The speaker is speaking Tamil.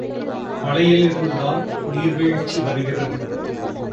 மலையிலிருந்து தான் நீர் வீழ்ச்சி வருகிறது.